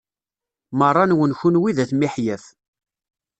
Meṛṛa-nwen kunwi d at miḥyaf.